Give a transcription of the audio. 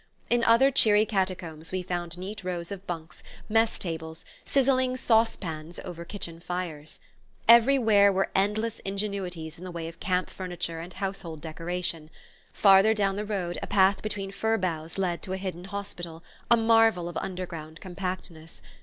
In other cheery catacombs we found neat rows of bunks, mess tables, sizzling sauce pans over kitchen fires. Everywhere were endless ingenuities in the way of camp furniture and household decoration. Farther down the road a path between fir boughs led to a hidden hospital, a marvel of underground compactness.